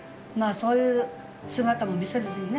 そういう姿も見せずにね。